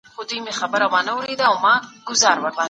د ناروغۍ په لومړنیو پړاوونو کې درد کم دی.